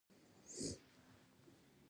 د خاورې د کیفیت لوړونه شاملیږي.